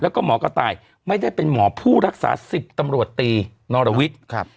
แล้วก็หมอกระต่ายไม่ได้เป็นหมอผู้รักษาสิบตำรวจตีนรวิทย์ครับ